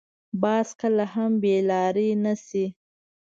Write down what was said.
باز کله هم بې لارې نه شي